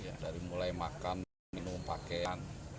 kita sudah lakukan minum pakaian